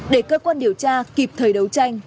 để cơ quan điều tra kịp thời đấu tranh